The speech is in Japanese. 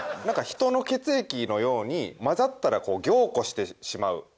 何か人の血液のように混ざったら凝固してしまう。